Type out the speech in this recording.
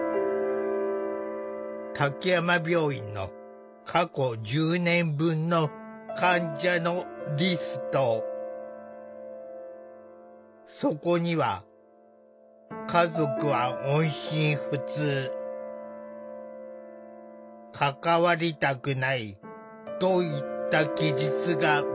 滝山病院の過去１０年分のそこには「家族は音信不通」「関わりたくない」といった記述が目立つ。